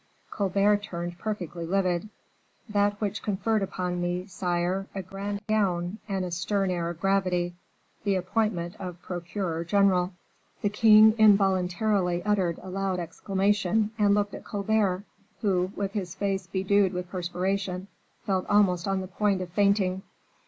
Colbert turned perfectly livid. "That which conferred upon me, sire, a grand gown, and a stern air of gravity; the appointment of procureur general." The king involuntarily uttered a loud exclamation and looked at Colbert, who, with his face bedewed with perspiration, felt almost on the point of fainting.